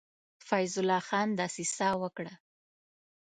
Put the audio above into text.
فیض الله خان دسیسه وکړه.